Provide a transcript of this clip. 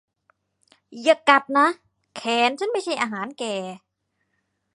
อย่ากัดนะ แขนฉันไม่ใช่อาหารแก